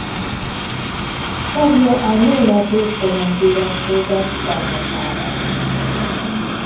Tagja a Német Jégkorong Hírességek Csarnokának